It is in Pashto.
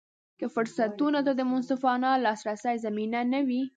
که فرصتونو ته د منصفانه لاسرسي زمینه نه وي.